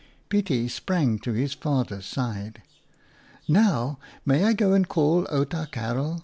Pietie sprang to his fathers side. " Now may I go and call Outa Karel